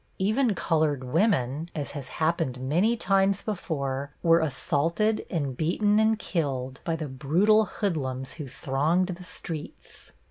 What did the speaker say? Even colored women, as has happened many times before, were assaulted and beaten and killed by the brutal hoodlums who thronged the streets.